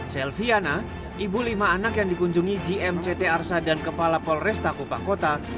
selviana ibu lima anak yang dikunjungi gm jt arsha dan kepala polres kupangkota